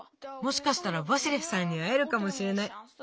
もしかしたらヴァシレフさんにあえるかもしれない。